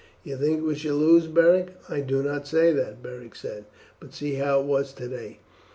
"You think we shall lose, Beric?" "I do not say that," Beric said; "but see how it was today.